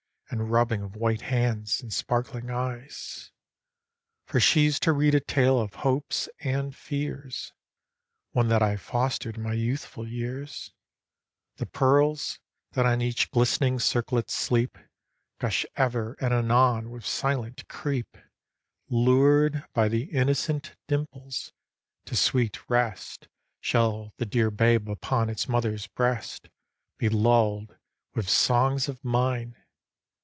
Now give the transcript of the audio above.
And rubbing of white hands, and sparkling eyes : For she 's to read a tale of hopes, and fears ; One that I foster'd in my youthful years : The pearls, that on each glist'ning circlet sleep. Gush ever and anon with silent creep, Lured by the innocent dimples. To sweet rest Shall the dear babe, upon its mother's breast. Be lull'd with songs of mine.